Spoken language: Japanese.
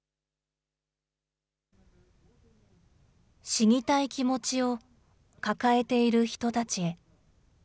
しにたい気持ちを抱えている人たちへ。